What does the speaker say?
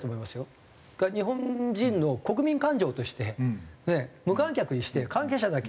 日本人の国民感情として無観客にして関係者だけ。